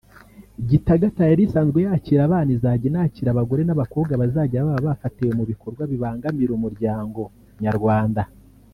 Gitagata yari isanzwe yakira abana izajya inakira abagore n’abakobwa bazajya baba bafatiwe mu bikorwa bibangamira umuryango nyarwanda